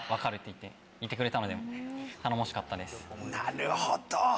なるほど！